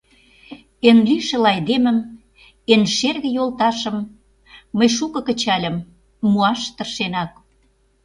Эн лишыл айдемым, эн шерге йолташым Мый шуко кычальым, муаш тыршенак.